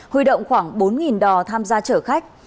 huy động khoảng bốn đò tham gia chở khách